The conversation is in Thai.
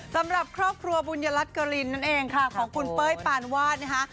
สำหรับครอบครัวบุญยรัฐกรินนั่นเองค่ะของคุณเป้ยปานวาดนะคะ